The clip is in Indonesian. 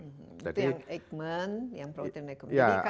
itu yang eggman yang protein recombinant